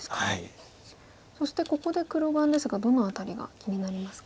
そしてここで黒番ですがどの辺りが気になりますか？